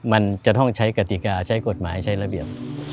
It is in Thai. มันจะต้องใช้กติกาใช้กฎหมายใช้ระเบียบ